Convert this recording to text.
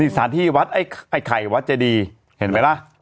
นี่สถานที่ไข่วัตเจดีเห็นไหมละ